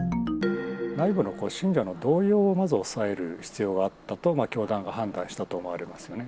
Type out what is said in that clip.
内部の信者の動揺をまず抑える必要があったと、教団が判断したと思われますよね。